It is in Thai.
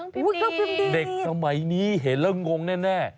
เครื่องพิมพ์ดีตเด็กสมัยนี้เห็นแล้วงงแน่